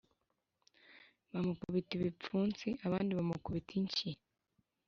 bamukubita ibipfunsi abandi bamukubita inshyi